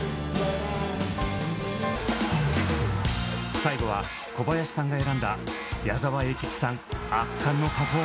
最後は小林さんが選んだ矢沢永吉さん圧巻のパフォーマンスです。